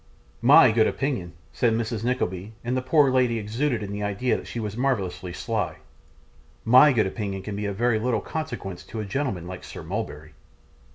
'MY good opinion,' said Mrs. Nickleby, and the poor lady exulted in the idea that she was marvellously sly, 'my good opinion can be of very little consequence to a gentleman like Sir Mulberry.